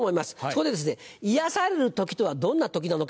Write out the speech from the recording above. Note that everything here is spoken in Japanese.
そこでですね「癒やされる時とはどんな時なのか？」。